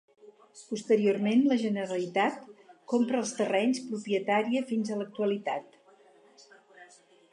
Posteriorment, la Generalitat compra els terrenys, propietària fins a l'actualitat.